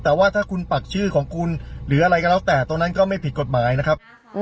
แต่ว่าถ้าคุณปักชื่อของคุณหรืออะไรก็แล้วแต่ตรงนั้นก็ไม่ผิดกฎหมายนะครับ